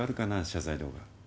謝罪動画。